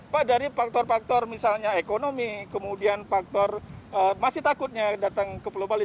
pak dari faktor faktor misalnya ekonomi kemudian faktor masih takutnya datang ke pulau bali